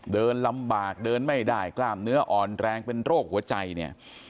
เดินลำบากเดินไม่ได้กล้ามเนื้ออ่อนแรงเป็นโรคหัวใจเนี่ย